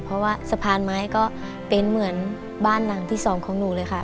เพราะว่าสะพานไม้ก็เป็นเหมือนบ้านหลังที่สองของหนูเลยค่ะ